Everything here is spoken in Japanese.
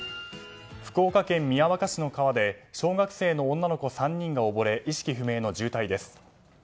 福岡県宮若市の川で小学生の女の子３人が溺れ意識不明の重体です。